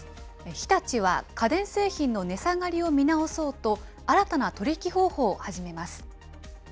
日立は家電製品の値下がりを見直そうと、新たな取り引き方法を始めます。